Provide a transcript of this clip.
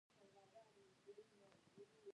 د افغانستان چای ډیر څښل کیږي